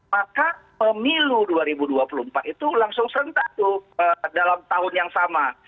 maka pemilu dua ribu dua puluh empat itu langsung serentak tuh dalam tahun yang sama